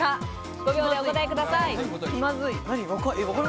５秒でお答えください。